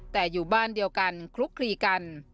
แต่อยู่บ้านเดียวกันคลุกคลีกัน